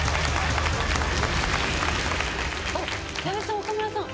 矢部さん岡村さん。